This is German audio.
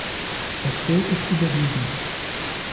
Das Geld ist überwiesen.